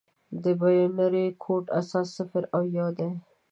د بایونري کوډ اساس صفر او یو دی.